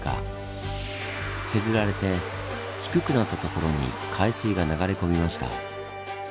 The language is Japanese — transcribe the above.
削られて低くなった所に海水が流れ込みました。